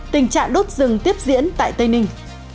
tình trạng đốt rừng tiếp diễn tại tây ninh